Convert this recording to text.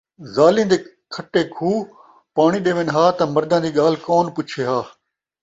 ذالیں دے کھٹے کھوہ پاݨی ݙیون ہا تاں مرداں دی ڳالھ کون پچھے ہا